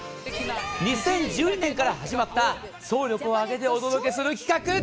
２０１２年から始まった総力を挙げてお届けする企画。